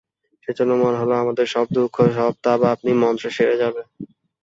সেইজন্যে মনে হল, আমাদের সব দুঃখ সব তাপ আপনি মন্ত্রে সেরে যাবে।